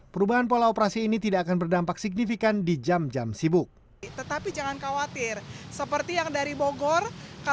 perubahan pola operasi ini tidak akan berdampak signifikan di jam jam sibuk